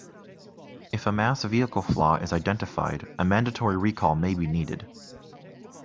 If a mass vehicle flaw is identified, a mandatory recall may be needed.